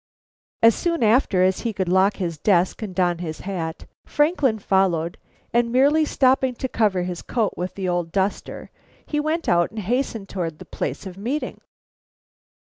As soon after as he could lock his desk and don his hat, Franklin followed, and merely stopping to cover his coat with the old duster, he went out and hastened towards the place of meeting.